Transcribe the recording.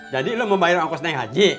jadi lo mau bayar angkos naik haji